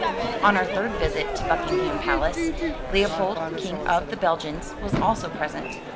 On our third visit to Buckingham Palace, Leopold, King of the Belgians, was also present.